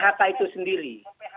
mem phk itu sendiri